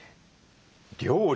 料理。